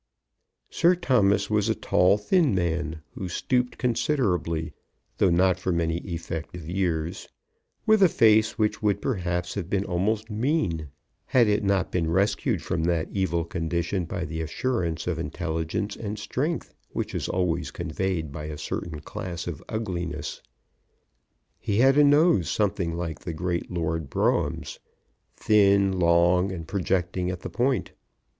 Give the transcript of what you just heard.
Sir Thomas was a tall thin man, who stooped considerably, though not from any effect of years, with a face which would perhaps have been almost mean had it not been rescued from that evil condition by the assurance of intelligence and strength which is always conveyed by a certain class of ugliness. He had a nose something like the great Lord Brougham's, thin, long, and projecting at the point.